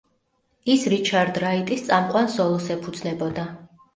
ის რიჩარდ რაიტის წამყვან სოლოს ეფუძნებოდა.